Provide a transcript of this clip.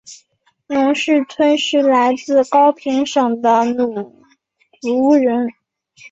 农氏春是来自高平省的侬族人。